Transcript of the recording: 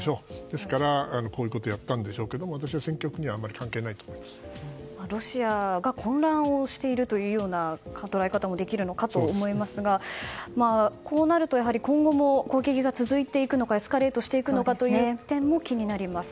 ですから、こういうことをやったんでしょうけど私は戦局にはロシアが混乱をしているという捉え方もできるかと思いますがこうなると今後も攻撃が続いていくのかエスカレートしていくのかという点も気になります。